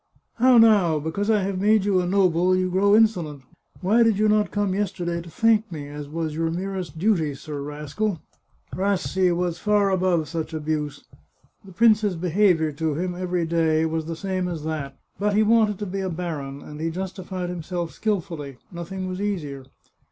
" How now ! Because I have made you a noble, you grow insolent. Why did you not come yesterday to thank me, as was your merest duty. Sir Rascal ?" Rassi was far above such abuse. The prince's behaviour 316 The Chartreuse of Parma to him, every day, was the same as that. But he wanted to be a baron, and he justified himself skilfully — nothing was easier.